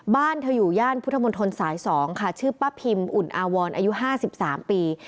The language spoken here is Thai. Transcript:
บ้านเธออยู่ย่านพุทธมนตรสาย๒ค่ะชื่อป้าพิมอุ่นอาวรอายุ๕๓ปี